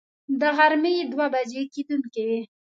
د غرمې دوه بجې کېدونکې وې.